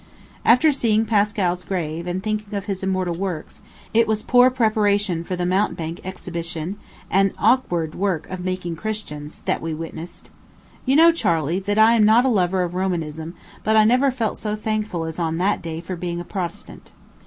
After seeing Pascal's grave, and thinking of his immortal works, it was poor preparation for the mountebank exhibition, and awkward work of making Christians, that we witnessed. You know, Charley, that I am not a lover of Romanism, but I never felt so thankful as on that day for being a Protestant.